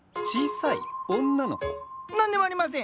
何でもありません！